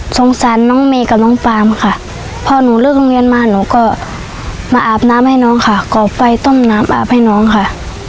สงสารน้องเมย์กับน้องฟาร์มค่ะพอหนูเลิกโรงเรียนมาหนูก็มาอาบน้ำให้น้องค่ะก่อไฟต้มน้ำอาบให้น้องค่ะ